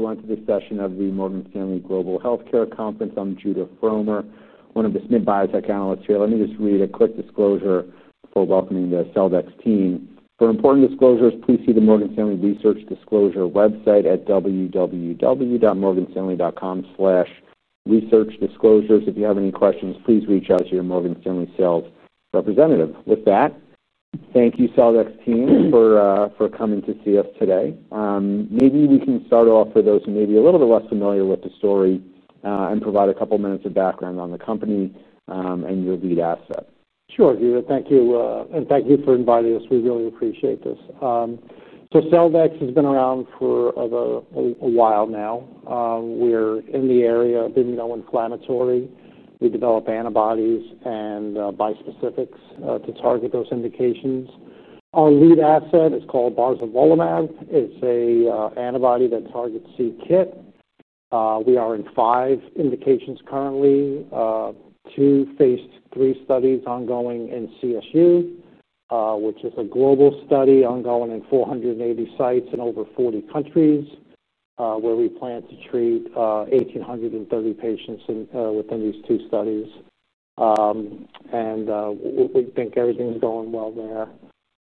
Everyone, to this session of the Morgan Stanley Global Healthcare Conference, I'm Judah Fromer, one of the Biotech analysts here. Let me just read a quick disclosure before welcoming the Celldex team. For important disclosures, please see the Morgan Stanley Research Disclosure website at www.morganstanley.com/researchdisclosures. If you have any questions, please reach out to your Morgan Stanley sales representative. With that, thank you, Celldex team, for coming to see us today. Maybe we can start off for those maybe a little bit less familiar with the story, and provide a couple of minutes of background on the company, and your lead asset. Sure, Judah. Thank you, and thank you for inviting us. We really appreciate this. Celldex Therapeutics has been around for a while now. We're in the area of immunoinflammatory. We develop antibodies and bispecifics to target those indications. Our lead asset is called Barzolvolimab (CDX-0159). It's an antibody that targets KIT (CD117). We are in five indications currently: two Phase III studies ongoing in CSU, which is a global study ongoing in 480 sites in over 40 countries, where we plan to treat 1,830 patients within these two studies. We think everything's going well there.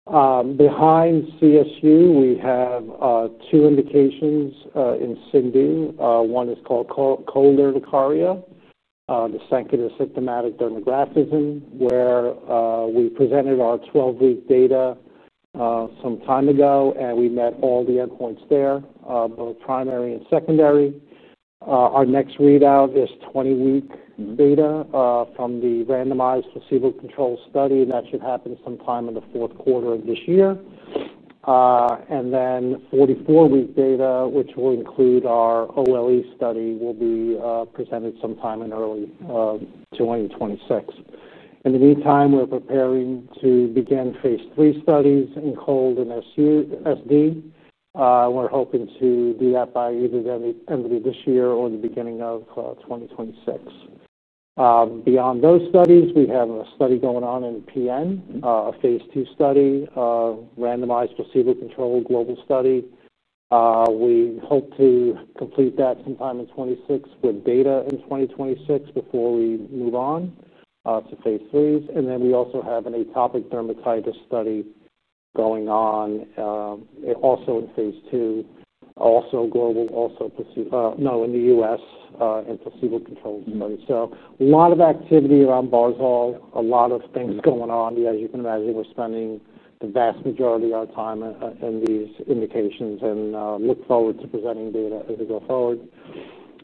Behind CSU, we have two indications in urticaria. One is called cold urticaria, the second is symptomatic dermographism, where we presented our 12-week data some time ago, and we met all the endpoints there, both primary and secondary. Our next readout is 20-week data from the randomized placebo-controlled study, and that should happen sometime in the fourth quarter of this year. The 44-week data, which will include our OLE study, will be presented sometime in early 2026. In the meantime, we're preparing to begin Phase III studies in cold urticaria and symptomatic dermographism. We're hoping to be up by either the end of this year or the beginning of 2026. Beyond those studies, we have a study going on in PN, a Phase II study, a randomized placebo-controlled global study. We hope to complete that sometime in 2026 with data in 2026 before we move on to Phase IIIs. We also have an atopic dermatitis study going on, also in Phase II, also global, no, in the U.S., and placebo-controlled study. A lot of activity around Barzolvolimab, a lot of things going on. As you can imagine, we're spending the vast majority of our time in these indications and look forward to presenting data as we go forward.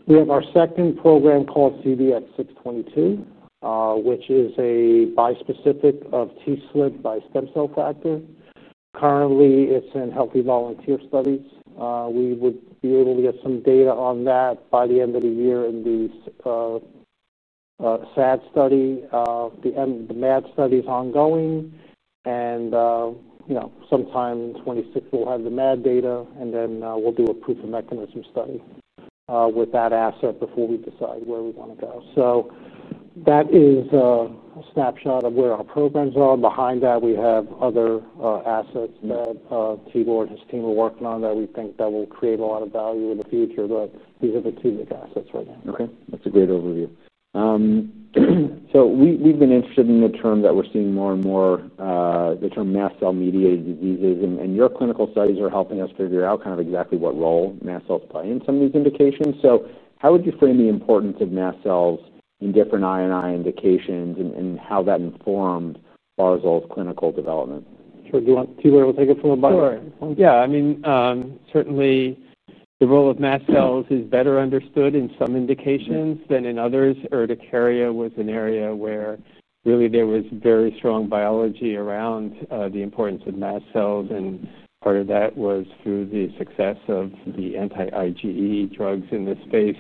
We have our second program called CDX-622, which is a bispecific of TSLP by stem cell factor. Currently, it's in healthy volunteer studies. We would be able to get some data on that by the end of the year in the SAD study. The MAD study is ongoing. Sometime in 2026, we'll have the MAD data, and then we'll do a proof-of-mechanism study with that asset before we decide where we want to go. That is a snapshot of where our programs are. Behind that, we have other assets that Tibor Keler and his team are working on that we think will create a lot of value in the future. These are the two big assets right now. Okay. That's a great overview. We've been interested in the term that we're seeing more and more, the term mast cell-mediated diseases. Your clinical studies are helping us figure out kind of exactly what role mast cells play in some of these indications. How would you frame the importance of mast cells in different indications and how that informed Barzolvolimab's clinical development? Sure. Do you want Tibor to take it from the bottom? Sure. Yeah. I mean, certainly, the role of mast cells is better understood in some indications than in others. Urticaria was an area where really there was very strong biology around the importance of mast cells. Part of that was through the success of the anti-IgE drugs in this space.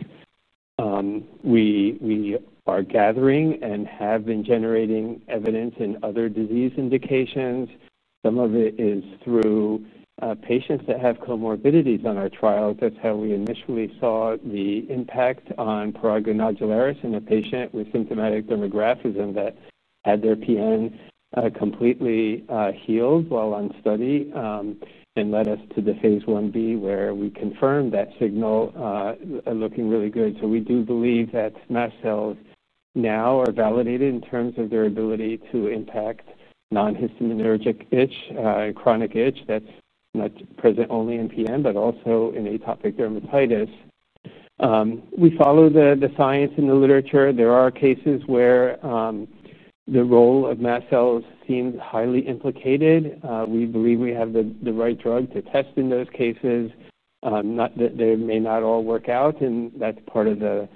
We are gathering and have been generating evidence in other disease indications. Some of it is through patients that have comorbidities on our trials. That's how we initially saw the impact on prurigo nodularis in a patient with symptomatic dermographism that had their PN completely healed while on study, and led us to the Phase IB where we confirmed that signal, looking really good. We do believe that mast cells now are validated in terms of their ability to impact non-histaminergic itch, chronic itch that's not present only in PN but also in atopic dermatitis. We follow the science and the literature. There are cases where the role of mast cells seems highly implicated. We believe we have the right drug to test in those cases, not that they may not all work out. That's part of the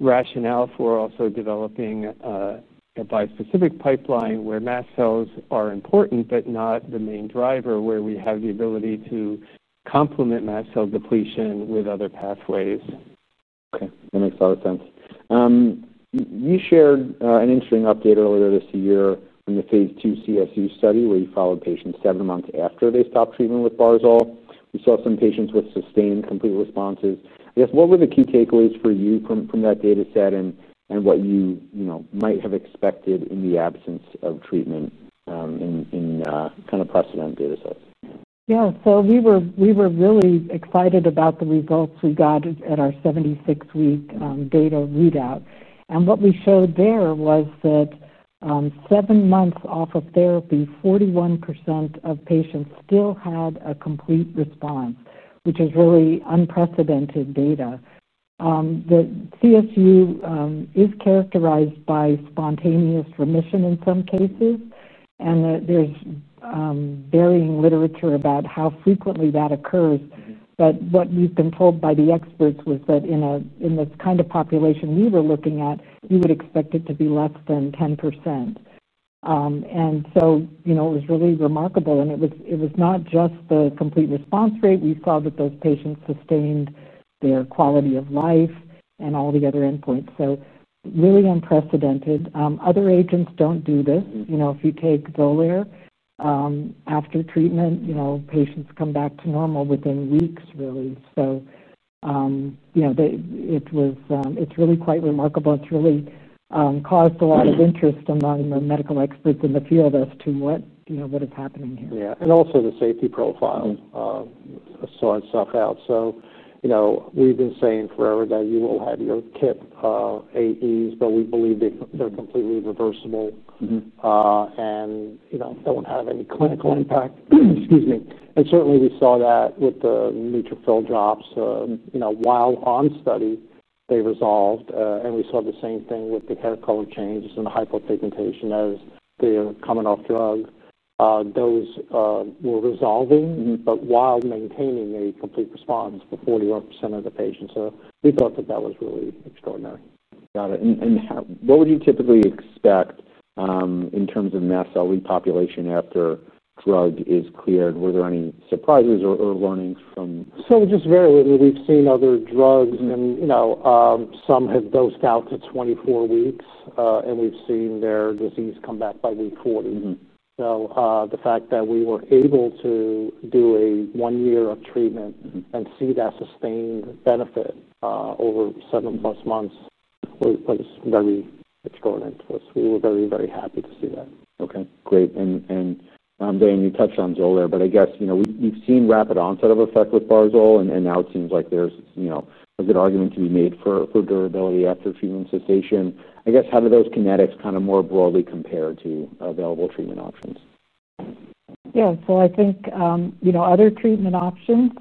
rationale for also developing a bispecific pipeline where mast cells are important but not the main driver, where we have the ability to complement mast cell depletion with other pathways. Okay. That makes a lot of sense. You shared an interesting update earlier this year in the Phase II CSU study where you followed patients seven months after they stopped treatment with Barzolvolimab. We saw some patients with sustained complete responses. I guess, what were the key takeaways for you from that dataset and what you might have expected in the absence of treatment, in kind of precedent datasets? Yeah. We were really excited about the results we got at our 76-week data readout. What we showed there was that, seven months off of therapy, 41% of patients still had a complete response, which is really unprecedented data. The CSU is characterized by spontaneous remission in some cases, and there's varying literature about how frequently that occurs. What we've been told by the experts was that in this kind of population we were looking at, you would expect it to be less than 10%. It was really remarkable. It was not just the complete response rate. We saw that those patients sustained their quality of life and all the other endpoints. Really unprecedented. Other agents don't do this. If you take Xolair, after treatment, patients come back to normal within weeks, really. It's really quite remarkable. It's really caused a lot of interest among the medical experts in the field as to what is happening here. Yeah. Also the safety profile, so on and so forth. We've been saying forever that you will have your KIT AEs, but we believe that they're completely reversible and don't have any clinical impact. Excuse me. Certainly, we saw that with the neutrophil drops. While on study, they resolved, and we saw the same thing with the hair color changes and the hypopigmentation as they are coming off drug. Those were resolving, but while maintaining a complete response for 41% of the patients. We thought that that was really extraordinary. Got it. What would you typically expect, in terms of the mast cell lead population after drug is cleared? Were there any surprises or warnings? We've seen other drugs, and, you know, some have dosed out to 24 weeks, and we've seen their disease come back by week 40. The fact that we were able to do a one year of treatment and see that sustained benefit, over seven plus months, it was very extraordinary. We were very, very happy to see that. Great. Diane, you touched on Xolair, but I guess, you know, we've seen rapid onset of effect with Barzolvolimab, and now it seems like there's a good argument to be made for durability after a few months' cessation. I guess, how do those kinetics kind of more broadly compare to available treatment options? I think other treatment options,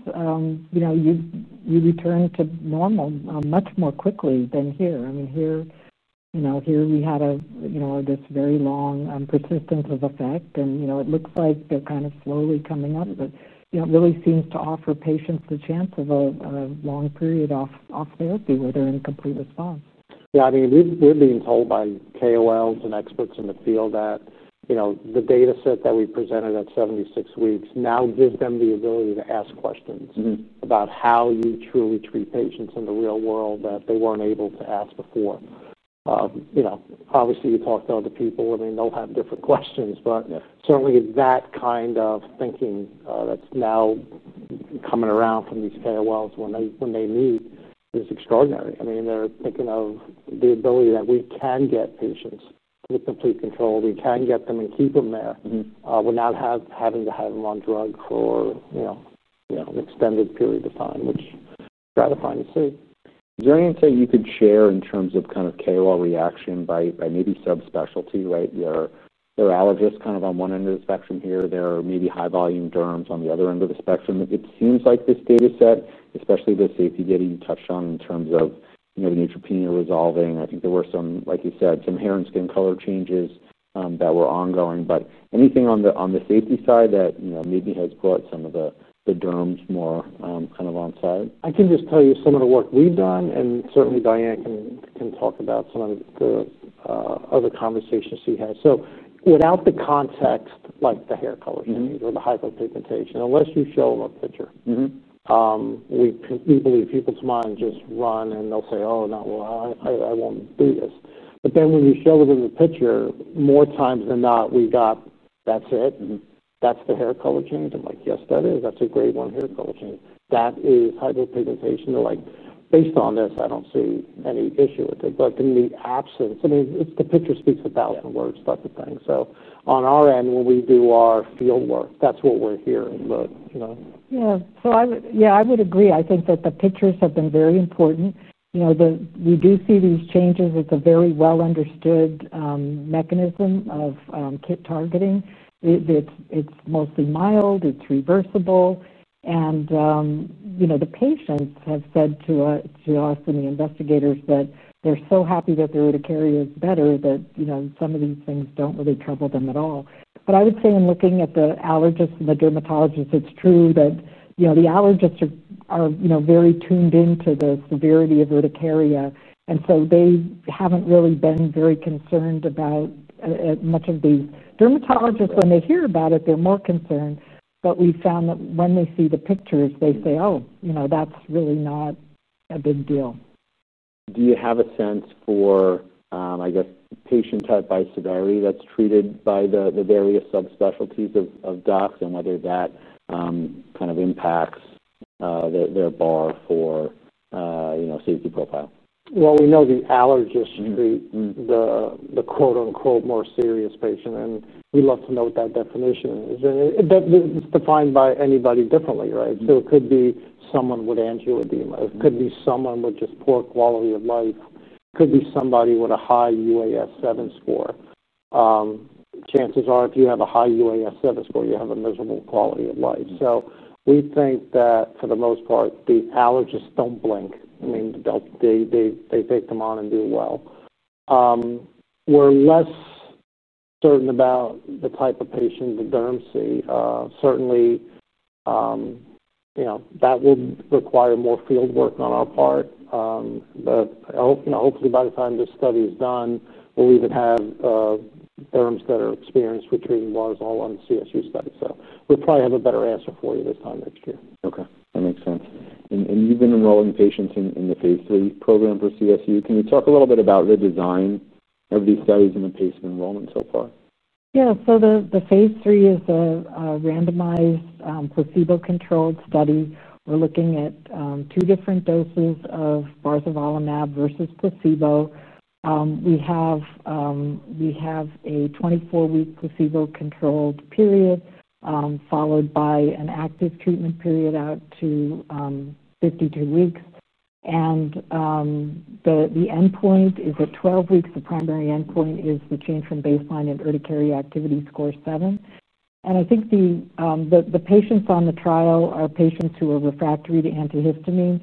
you return to normal much more quickly than here. I mean, here we had this very long persistence of effect, and it looks like they're kind of slowly coming up, but it really seems to offer patients the chance of a long period off therapy where they're in a complete response. Yeah. I mean, we've been told by KOLs and experts in the field that the dataset that we presented at 76 weeks now gives them the ability to ask questions about how you truly treat patients in the real world that they weren't able to ask before. Obviously, you talk to other people, and they'll have different questions. Certainly, that kind of thinking that's now coming around from these KOLs when they meet is extraordinary. I mean, they're thinking of the ability that we can get patients with complete control. We can get them and keep them there, without having to have them on drugs for an extended period of time, which is gratifying to see. Is there anything you could share in terms of kind of KOL reaction by maybe subspecialty, right? There are allergists kind of on one end of the spectrum here. There are maybe high-volume derms on the other end of the spectrum. It seems like this dataset, especially the safety data you touched on in terms of the neutropenia resolving. I think there were some, like you said, some hair and skin color changes that were ongoing. Anything on the safety side that maybe has brought some of the derms more kind of on side? I can just tell you some of the work we've done, and certainly Diane can talk about some of the other conversations she had. Without the context, like the hair color changes or the hypopigmentation, unless you show a picture, we believe people's minds just run, and they'll say, "Oh, no. I won't do this." Then when you show them the picture, more times than not, we got, "That's it. That's the hair color change." I'm like, "Yes, that is. That's a grade one hair color change. That is hypopigmentation." They're like, "Based on this, I don't see any issue with it." In the absence, it's the picture speaks a thousand words type of thing. On our end, when we do our fieldwork, that's what we're hearing, you know. Yeah, I would agree. I think that the pictures have been very important. We do see these changes. It's a very well-understood mechanism of KIT targeting. It's mostly mild. It's reversible. The patients have said to us and the investigators that they're so happy that their urticaria is better that some of these things don't really trouble them at all. In looking at the allergists and the dermatologists, it's true that the allergists are very tuned into the severity of urticaria, so they haven't really been very concerned about it. Much of the dermatologists, when they hear about it, they're more concerned. We found that when they see the pictures, they say, "Oh, you know, that's really not a big deal. Do you have a sense for, I guess, patient-type by severity that's treated by the various subspecialties of DAC and whether that impacts their bar for, you know, safety profile? We know the allergists treat the, quote-unquote, "more serious patient." We'd love to know what that definition is, and that it's defined by anybody differently, right? It could be someone with angioedema, it could be someone with just poor quality of life, it could be somebody with a high UAS-7 score. Chances are, if you have a high UAS-7 score, you have a miserable quality of life. We think that, for the most part, the allergists don't blink. I mean, they take them on and do well. We're less certain about the type of patient the dermatologists see. Certainly, you know, that would require more fieldwork on our part. I hope, you know, hopefully, by the time this study is done, we'll even have dermatologists that are experienced with treating Barzolvolimab on the CSU study. We'll probably have a better answer for you this time next year. Okay. That makes sense. You've been enrolling patients in the Phase III program for CSU. Can you talk a little bit about the design of these studies and the patient enrollment so far? Yeah. The Phase III is a randomized, placebo-controlled study. We're looking at two different doses of Barzolvolimab versus placebo. We have a 24-week placebo-controlled period, followed by an active treatment period out to 52 weeks. The endpoint is at 12 weeks. The primary endpoint is the change from baseline in urticaria activity score 7. I think the patients on the trial are patients who are refractory to antihistamines.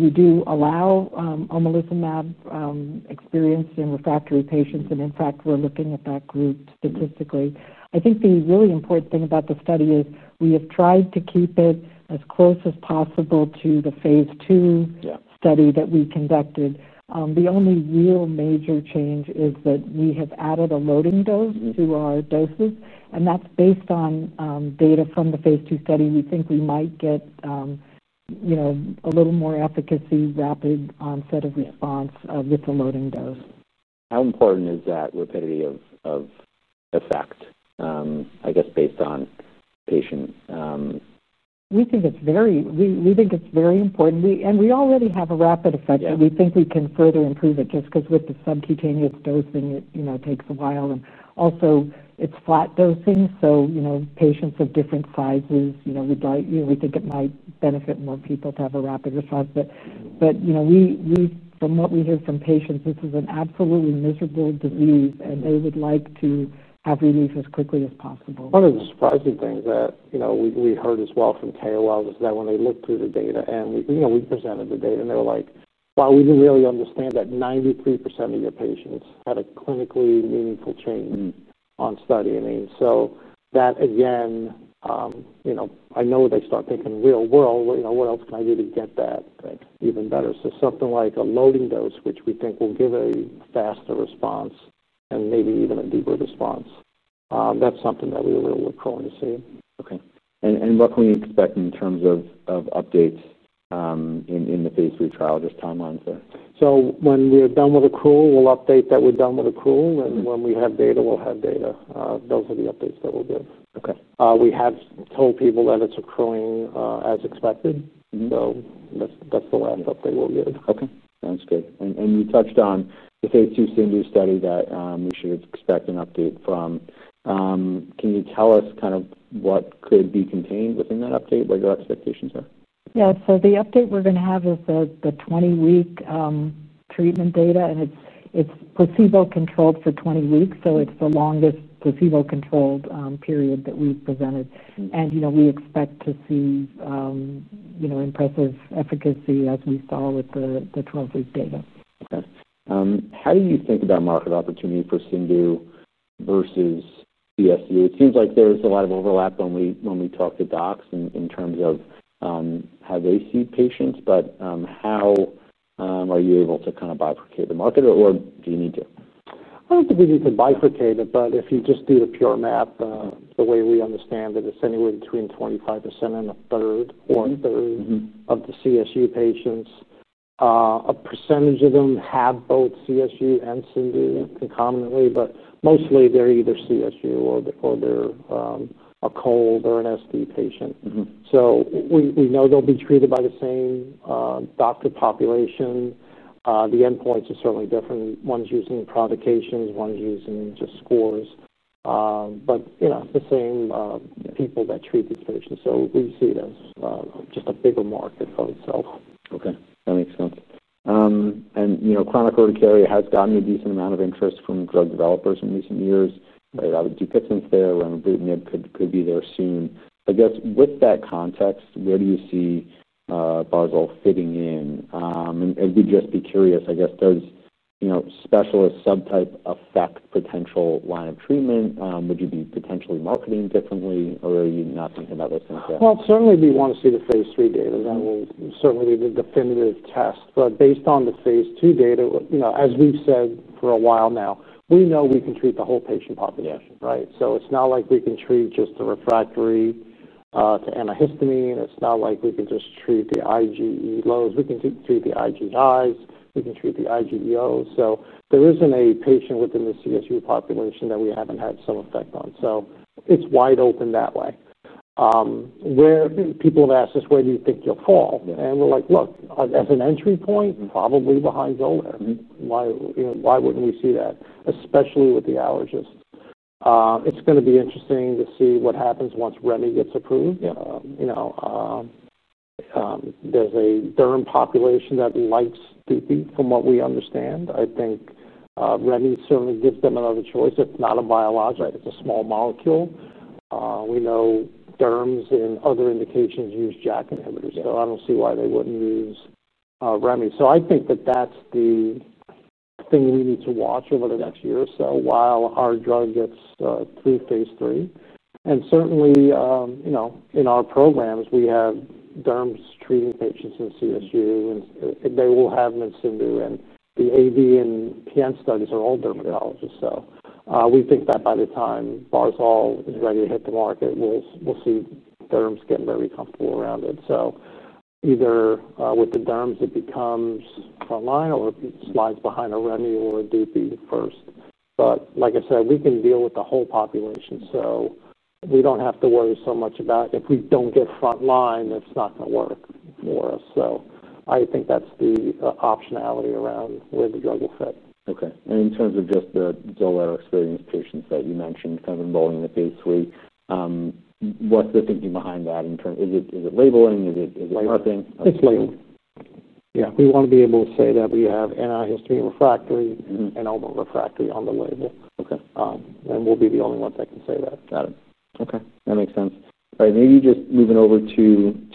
You do allow Xolair experience in refractory patients. In fact, we're looking at that group statistically. I think the really important thing about the study is we have tried to keep it as close as possible to the Phase II study that we conducted. The only real major change is that we have added a loading dose to our doses. That's based on data from the Phase II study. We think we might get a little more efficacy, rapid onset of response with the loading dose. How important is that rapidity of effect, I guess, based on patient? We think it's very important. We already have a rapid effect. We think we can further improve it just because with the subcutaneous dosing, it takes a while. Also, it's flat dosing, so patients of different sizes, we think it might benefit more people to have a rapid response. From what we hear from patients, this is an absolutely miserable disease, and they would like to have relief as quickly as possible. One of the surprising things that we heard as well from KOLs is that when they looked through the data, and we presented the data, they were like, "Wow, we didn't really understand that 93% of your patients had a clinically meaningful change on study." I mean, that, again, I know they start thinking real world, you know, what else can I do to get that even better? Something like a loading dose, which we think will give a faster response and maybe even a deeper response, that's something that we're crawling to see. Okay. What can we expect in terms of updates in the Phase III trial, just timelines there? When we're done with accrual, we'll update that we're done with accrual. When we have data, we'll have data. Those are the updates that we'll give. Okay. We have told people that it's accruing as expected. That's the wrap-up that we'll give. Okay. Sounds good. You touched on the Phase II Sanders study that you should expect an update from. Can you tell us kind of what could be contained within that update, what your expectations are? Yeah. The update we're going to have is the 20-week treatment data. It's placebo-controlled for 20 weeks, so it's the longest placebo-controlled period that we've presented. We expect to see impressive efficacy as we saw with the 12-week data. Got it. How do you think about market opportunity for Sindu versus CSU? It seems like there's a lot of overlap when we talk to docs in terms of how they see patients. How are you able to kind of bifurcate the market, or do you need to? I don't think we need to bifurcate it, but if you just do the pure map, the way we understand it, it's anywhere between 25% and a third of the CSU patients. A percentage of them have both CSU and SD concomitantly, but mostly, they're either CSU or they're a Cold or an SD patient. We know they'll be treated by the same doctor population. The endpoints are certainly different. One's using provocations, one's using just scores, but you know, it's the same people that treat these patients. We see this as just a bigger market for itself. Okay. That makes sense. You know, chronic urticaria has gotten a decent amount of interest from drug developers in recent years, right? I would do pits in there. Ranolumab could be there soon. I guess, with that context, where do you see Barzolvolimab fitting in? I'd just be curious, does specialist subtype affect potential line of treatment? Would you be potentially marketing differently, or are you not thinking about this in a way? Certainly, we want to see the Phase III data. That will certainly be the definitive test. Based on the Phase II data, as we've said for a while now, we know we can treat the whole patient population, right? It's not like we can treat just the refractory to antihistamine. It's not like we can just treat the IgE low. We can treat the IgEs. We can treat the IgEOs. There isn't a patient within the CSU population that we haven't had some effect on. It's wide open that way. People have asked us, "Where do you think you'll fall?" We're like, "Look, as an entry point, probably behind Xolair. Why wouldn't we see that?" Especially with the allergists. It's going to be interesting to see what happens once Reni gets accrued. There's a derm population that likes DP from what we understand. I think Reni certainly gives them another choice. It's not a biologic. It's a small molecule. We know derms in other indications use JAK inhibitors. I don't see why they wouldn't use Reni. I think that's the thing we need to watch over the next year or so while our drug gets through Phase III. In our programs, we have derms treating patients in CSU, and they will have them in Sindu. The AD and PN studies are all dermatologists. We think that by the time Barzolvolimab is ready to hit the market, we'll see derms getting very comfortable around it. Either with the derms, it becomes frontline or it slides behind a Reni or a DP first. Like I said, we can deal with the whole population. We don't have to worry so much about if we don't get frontline, it's not going to work for us. I think that's the optionality around where the drug will fit. Okay. In terms of just the Xolair experience patients that you mentioned kind of enrolling in the Phase III, what's the thinking behind that? In terms of is it labeling? Is it something? It's labeling. Yeah, we want to be able to say that we have antihistamine refractory and only refractory on the label, and we'll be the only ones that can say that. Got it. Okay. That makes sense. Maybe just moving over to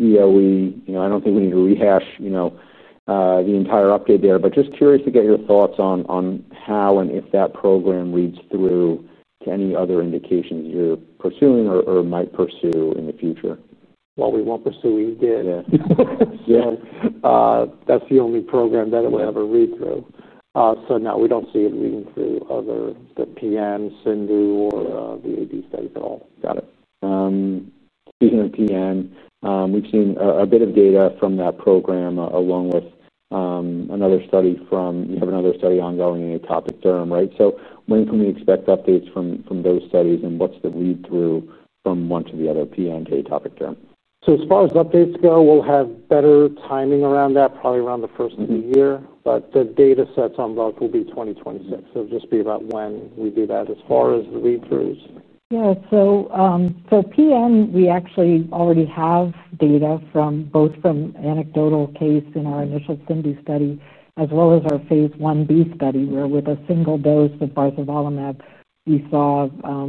EOE. I don't think we need to rehash the entire update there, but just curious to get your thoughts on how and if that program reads through to any other indications you're pursuing or might pursue in the future. We won't pursue EDI. Yeah, that's the only program that it will ever read through. No, we don't see it reading through other than PN, CSU, or the AD studies at all. Got it. Speaking of PN, we've seen a bit of data from that program along with another study from you. You have another study ongoing in atopic derm, right? When can we expect updates from those studies, and what's the read-through from one to the other, PN to atopic derm? As far as updates go, we'll have better timing around that, probably around the first of the year. The datasets on both will be 2026. It'll just be about when we do that as far as the read-throughs. Yeah. For PN, we actually already have data from both anecdotal case in our initial Sindu study as well as our Phase Ib study, where with a single dose with Barzolvolimab, we saw a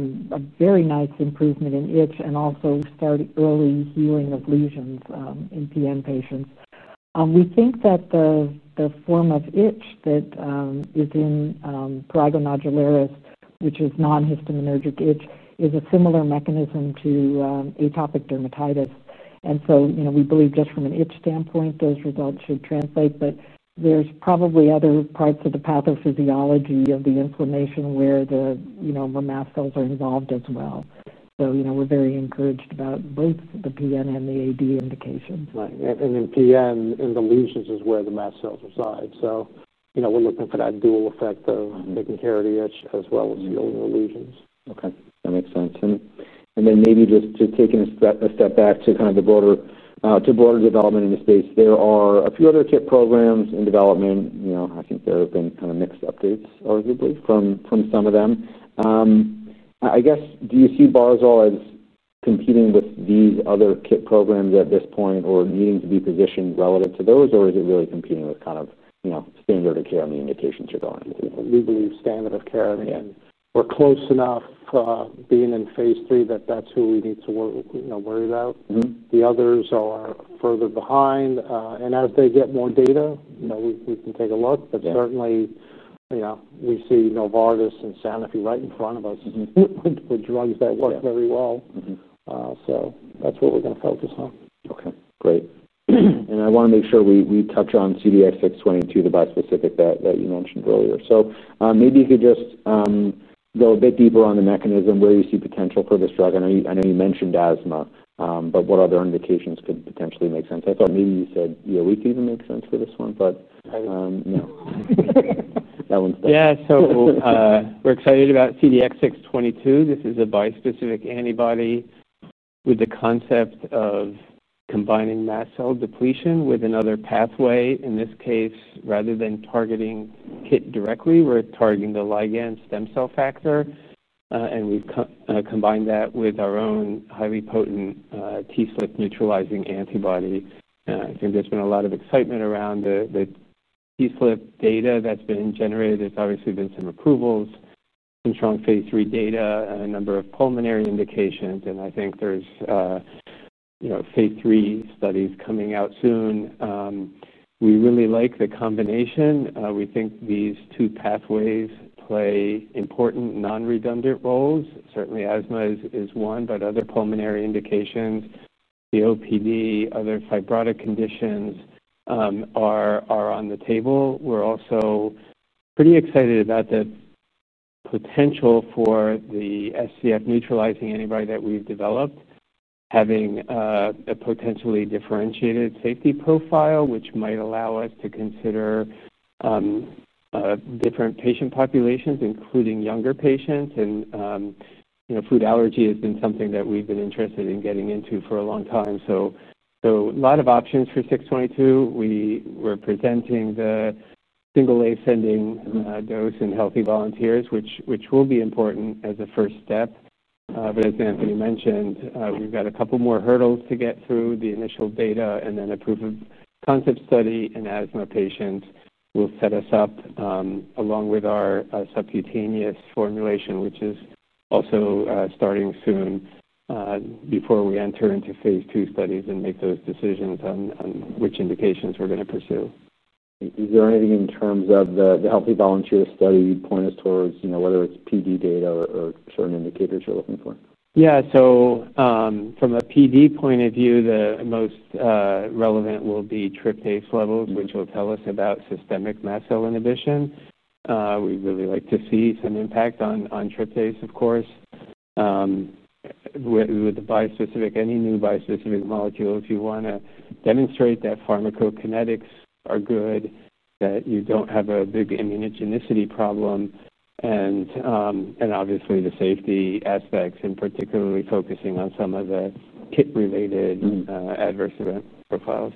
very nice improvement in itch and also started early healing of lesions in PN patients. We think that the form of itch that is in prurigo nodularis, which is non-histaminergic itch, is a similar mechanism to atopic dermatitis. You know, we believe just from an itch standpoint, those results should translate. There's probably other parts of the pathophysiology of the inflammation where the mast cells are involved as well. We're very encouraged about both the PN and the AD indications. Right. PN and the lesions is where the mast cells reside. We're looking for that dual effect of taking care of the itch as well as healing the lesions. Okay. That makes sense. Maybe just to take a step back to kind of the broader development in the space, there are a few other KIT programs in development. I think there have been kind of mixed updates, arguably, from some of them. I guess, do you see Barzolvolimab as competing with these other KIT programs at this point or needing to be positioned relative to those, or is it really competing with kind of, you know, standard of care in the indications you're going into? We believe standard of care, and we're close enough, being in Phase III, that that's who we need to worry about. The others are further behind. As they get more data, we can take a look. Certainly, we see Novartis and Sanofi right in front of us with drugs that work very well. That's what we're going to focus on. Great. I want to make sure we touch on CDX-622, the bispecific that you mentioned earlier. Maybe you could just go a bit deeper on the mechanism, where you see potential for this drug. I know you mentioned asthma, but what other indications could potentially make sense? I thought maybe you said EOE could even make sense for this one, but no, that one's bad. Yeah. We're excited about CDX-622. This is a bispecific antibody with the concept of combining mast cell depletion with another pathway. In this case, rather than targeting KIT directly, we're targeting the ligand stem cell factor, and we've combined that with our own highly potent TSLP neutralizing antibody. I think there's been a lot of excitement around the TSLP data that's been generated. There's obviously been some approvals and strong Phase III data, a number of pulmonary indications. I think there's Phase III studies coming out soon. We really like the combination. We think these two pathways play important non-redundant roles. Certainly, asthma is one, but other pulmonary indications, COPD, other fibrotic conditions, are on the table. We're also pretty excited about the potential for the SCF neutralizing antibody that we've developed, having a potentially differentiated safety profile, which might allow us to consider different patient populations, including younger patients. Food allergy has been something that we've been interested in getting into for a long time. A lot of options for 622. We're presenting the single ascending dose in healthy volunteers, which will be important as a first step, but as Anthony mentioned, we've got a couple more hurdles to get through the initial data and then a proof of concept study. Asthma patients will set us up, along with our subcutaneous formulation, which is also starting soon, before we enter into Phase II studies and make those decisions on which indications we're going to pursue. Is there anything in terms of the healthy volunteer study point us towards, you know, whether it's PD data or certain indicators you're looking for? Yeah. From a PD point of view, the most relevant will be tryptase levels, which will tell us about systemic mast cell inhibition. We'd really like to see some impact on tryptase, of course. With the bispecific, any new bispecific molecule, if you want to demonstrate that pharmacokinetics are good, that you don't have a big immunogenicity problem, and obviously the safety aspects, particularly focusing on some of the KIT-related adverse event profiles.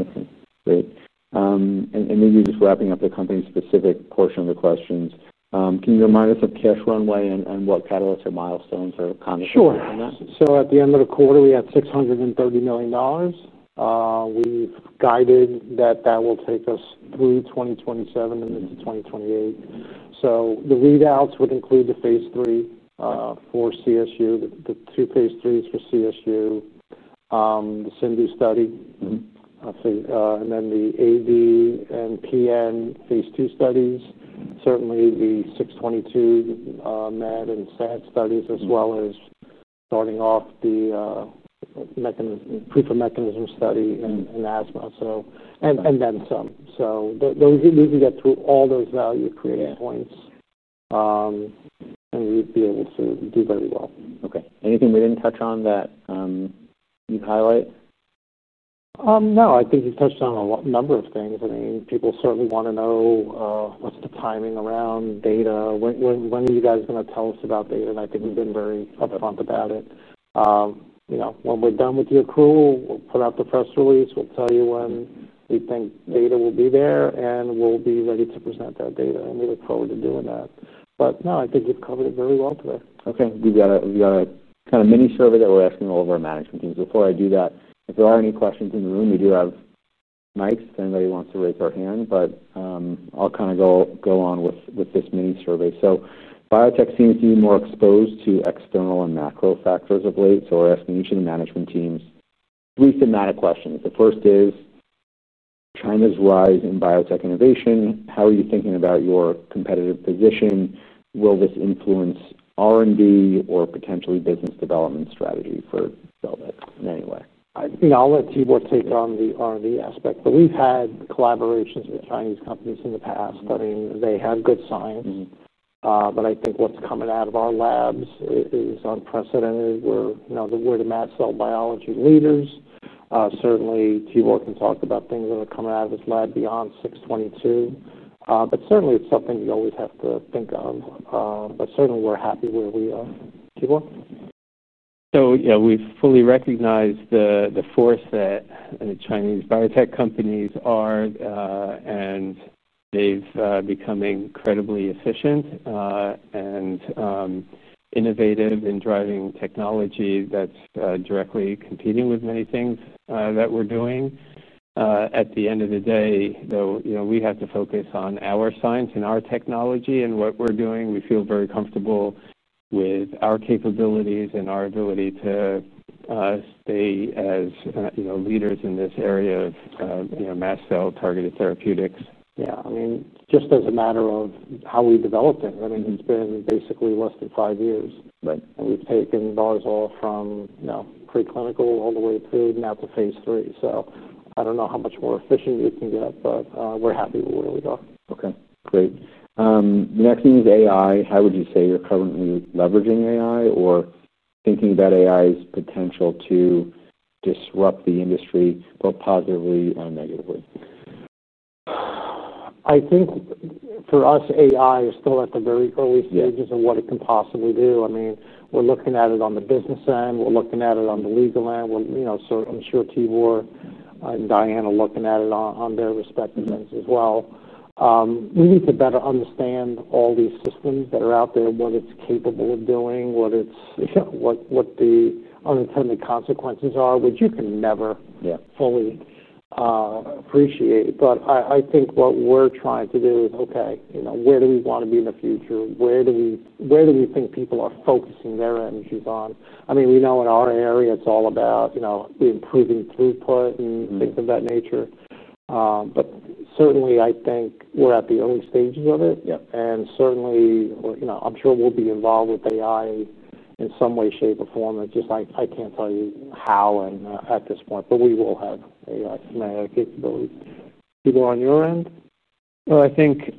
Okay. Great. Maybe just wrapping up the company-specific portion of the questions, can you remind us of cash runway and what catalysts or milestones are kind of? Sure. At the end of the quarter, we have $630 million. We've guided that that will take us through 2027 and into 2028. The readouts would include the Phase III for CSU, the two Phase IIIs for CSU, the Sindu study, I'd say, and then the AV and PN Phase II studies, certainly the 622 MAD and SAD studies, as well as starting off the preferred mechanism study and asthma, and then some. You need to get through all those value creating points, and you'd be able to do very well. Okay. Anything we didn't touch on that you'd highlight? No, I think you've touched on a number of things. I mean, people certainly want to know, what's the timing around data? When are you guys going to tell us about data? I think you've been very upfront about it. You know, when we're done with the accrual, we'll put out the press release. We'll tell you when we think data will be there, and we'll be ready to present that data. We look forward to doing that. No, I think you've covered it very well today. Okay. We've got a kind of mini survey that we're asking all of our management teams. Before I do that, if there are any questions in the room, we do have mics if anybody wants to raise their hand. I'll go on with this mini survey. Biotech seems to be more exposed to external and macro factors of late. We're asking each of the management teams three thematic questions. The first is, China's rise in biotech innovation, how are you thinking about your competitive position? Will this influence R&D or potentially business development strategy for Celldex Therapeutics in any way? I think I'll let Tibor take on the R&D aspect. We've had collaborations with Chinese companies in the past. I mean, they have good science, but I think what's coming out of our labs is unprecedented. We're now the mast cell biology leaders. Certainly, Tibor can talk about things that are coming out of his lab beyond 622. It's something we always have to think of, but certainly, we're happy where we are. Tibor? We've fully recognized the force that the Chinese biotech companies are, and they've become incredibly efficient and innovative in driving technology that's directly competing with many things that we're doing. At the end of the day, though, we have to focus on our science and our technology and what we're doing. We feel very comfortable with our capabilities and our ability to stay as, you know, leaders in this area of, you know, mast cell targeted therapeutics. Yeah. I mean, just as a matter of how we developed it, it's been basically less than five years, right? We've taken Barzolvolimab from preclinical all the way to now to Phase III. I don't know how much more efficient it can get, but we're happy with where we are. Okay. Great. The next thing is AI. How would you say you're currently leveraging AI or thinking about AI's potential to disrupt the industry, both positively and negatively? I think for us, AI is still at the very early stages of what it can possibly do. I mean, we're looking at it on the business end. We're looking at it on the legal end. I'm sure Tibor and Diane are looking at it on their respective ends as well. We need to better understand all these systems that are out there, what it's capable of doing, what the unintended consequences are, which you can never fully appreciate. I think what we're trying to do is, okay, you know, where do we want to be in the future? Where do we think people are focusing their energies on? I mean, we know in our area, it's all about improving throughput and things of that nature. Certainly, I think we're at the early stages of it. Yeah. Certainly, I'm sure we'll be involved with AI in some way, shape, or form. It's just I can't tell you how at this point, but we will have AI math capability. Tibor, on your end? I think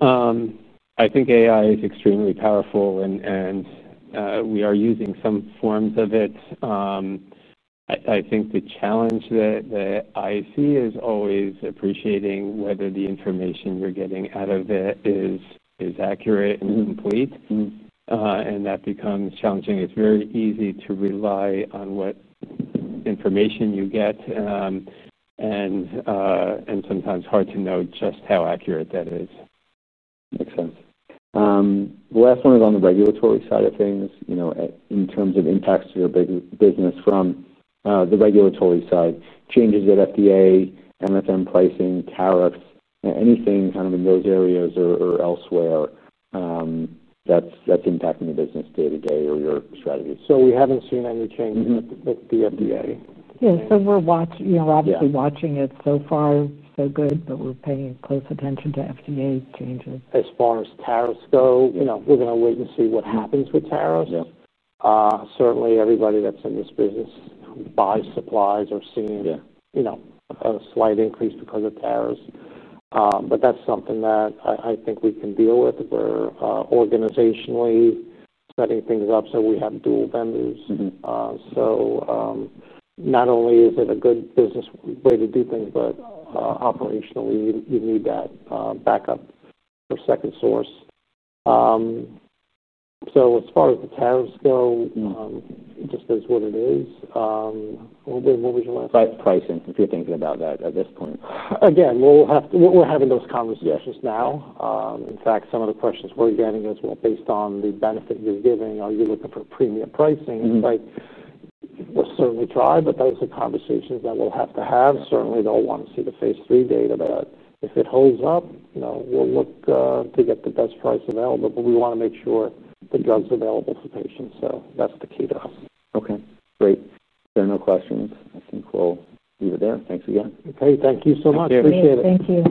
AI is extremely powerful, and we are using some forms of it. I think the challenge that I see is always appreciating whether the information you're getting out of it is accurate and complete. That becomes challenging. It's very easy to rely on what information you get, and sometimes hard to know just how accurate that is. Makes sense. The last one is on the regulatory side of things, you know, in terms of impacts to your business from the regulatory side. Changes at FDA, MFM pricing, tariffs, anything kind of in those areas or elsewhere, that's impacting the business day-to-day or your strategy. We haven't seen any change with the FDA. Yeah, we're obviously watching it. So far, so good, but we're paying close attention to FDA changes. As far as tariffs go, you know, we're going to wait and see what happens with tariffs. Certainly, everybody that's in this business who buys supplies are seeing, you know, a slight increase because of tariffs. That's something that I think we can deal with. We're organizationally setting things up so we have dual vendors. Not only is it a good business way to do things, but operationally, you need that backup or second source. As far as the tariffs go, it just is what it is. We didn't move as. Pricing? If you're thinking about that at this point? We're having those conversations now. In fact, some of the questions we're getting is, based on the benefit you're giving, are you looking for premium pricing? We'll certainly try, but that's a conversation that we'll have to have. Certainly, they'll want to see the Phase III data. If it holds up, we'll look to get the best price available. We want to make sure the drug's available for patients. That's the key to us. Okay. Great. There are no questions. I think we'll leave it there. Thanks again. Okay, thank you so much. Appreciate it. Thank you.